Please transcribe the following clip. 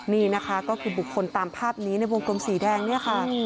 นี่นะคะก็คือบุคคลตามภาพนี้ในวงกลมสีแดงเนี่ยค่ะ